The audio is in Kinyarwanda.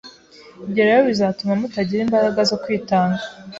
Ibyo rero bizatuma mutagira imbaraga zo kwitanga